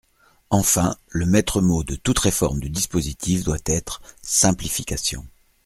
Enfin, le maître-mot de toute réforme du dispositif doit être « simplification ».